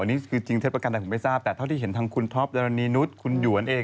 อันนี้คือจริงเท็จประกันใดผมไม่ทราบแต่เท่าที่เห็นทางคุณท็อปดารณีนุษย์คุณหยวนเอง